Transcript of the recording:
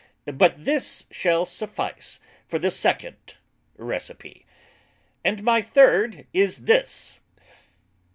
But this shall suffice for the second Recipe: and my third is this.